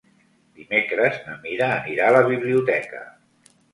Dimecres na Mira anirà a la biblioteca.